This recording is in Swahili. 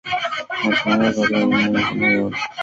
Wanaosongamana kwenye asilimia kumi za China yot